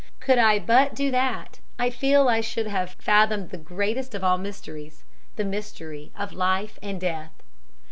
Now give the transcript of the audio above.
Could I but do that, I feel I should have fathomed the greatest of all mysteries the mystery of life and death.